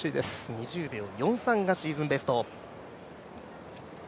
２０秒４３がシーズンベスト。